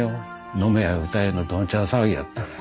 飲めや歌えのどんちゃん騒ぎやった。